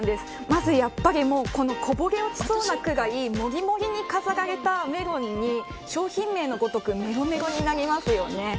まず、やっぱりこぼれ落ちそうなくらいモリモリに飾られたメロンに商品名のごとくメロメロになりますよね。